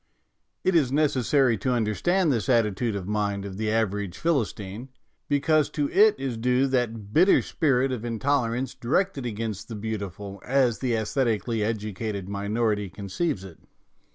It is necessary to understand this attitude of mind of the average Philistine, because to it is due that bitter spirit of in tolerance directed against the beautiful as the aesthetically educated minority conceives it.